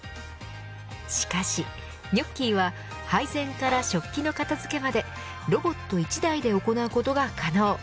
しかし、ニョッキーは配膳から食器の片付けまでロボット１台で行うことが可能。